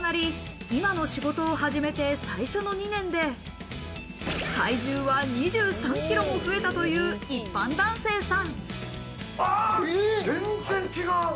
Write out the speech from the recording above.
お客さんとの会食も重なり、今の仕事を始めて最初の２年で体重は２３ｋｇも増えたという一般男性さん。